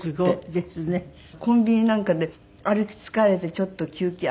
コンビニなんかで歩き疲れてちょっと休憩。